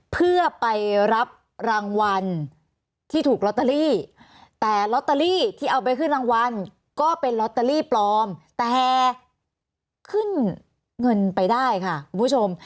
เพื่อไปรับรางวัลที่ถูกลอตเตอรี่แต่ลอตเตอรี่ที่เอาไปขึ้นรางวัลก็เป็นลอตเตอรี่ปลอมแต่ขึ้นเงินไปได้ค่ะคุณผู้ชม